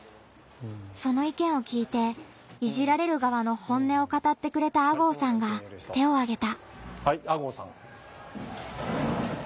その意見を聞いていじられる側の本音を語ってくれた吾郷さんが手をあげた。